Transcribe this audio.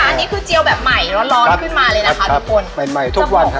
อันนี้คือเจียวแบบใหม่ร้อนร้อนขึ้นมาเลยนะคะทุกคนใหม่ทุกวันค่ะ